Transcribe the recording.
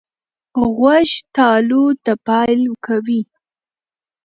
غوږ تالو ته پایل کوي.